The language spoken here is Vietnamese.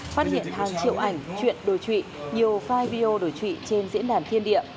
phát hiện hàng triệu ảnh chuyện đối trụy nhiều file video đối trụy trên diễn đàn thiên địa